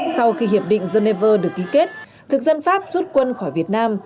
sau khi hiệp định geneva được ký kết thực dân pháp rút quân khỏi việt nam